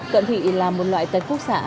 cận thị là một loại tật khúc sạn